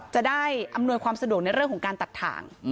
จะได้อำนวยความสะดวกในเรื่องของการตัดถ่าง